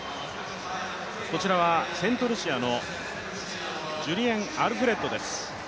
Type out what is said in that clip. こちらはセントルシアのジュリエン・アルフレッドです。